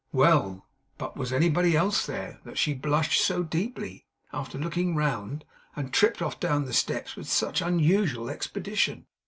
Well! But was anybody else there, that she blushed so deeply, after looking round, and tripped off down the steps with such unusual expedition?